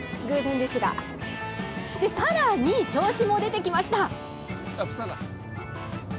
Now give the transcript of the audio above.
さらに調子も出てきました。